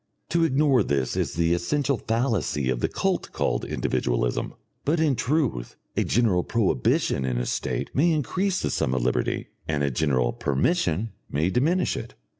To ignore this is the essential fallacy of the cult called Individualism. But in truth, a general prohibition in a state may increase the sum of liberty, and a general permission may diminish it.